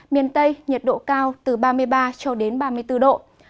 miền tây nhiệt độ cao từ ba mươi ba cho đến ba mươi bốn độ